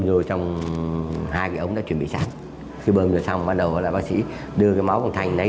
vô trong hai cái ống đã chuẩn bị sáng khi bơm rồi xong bắt đầu là bác sĩ đưa cái máu của thành lấy